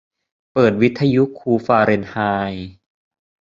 เปิดวิทยุคูลฟาเรนไฮต์